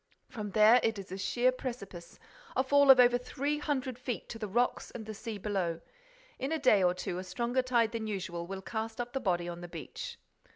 From there it is a sheer precipice, a fall of over three hundred feet to the rocks and the sea below. In a day or two, a stronger tide than usual will cast up the body on the beach."